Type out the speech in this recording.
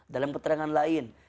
dalam keterangan lain